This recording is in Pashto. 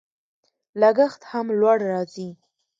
لګښت هم لوړ راځي.